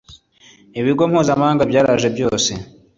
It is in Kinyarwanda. ibigo mpuzamahanga byaraje byose